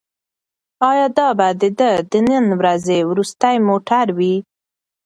ایا دا به د ده د نن ورځې وروستی موټر وي؟